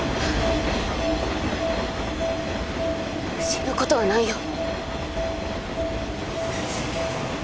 死ぬ事はないよ。